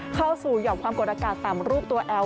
เข้าสู่หย่อมความกดอากาศต่ำรูปตัวแอล